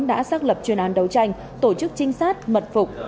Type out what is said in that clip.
đã xác lập chuyên án đấu tranh tổ chức trinh sát mật phục